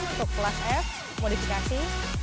untuk kelas f modifikasi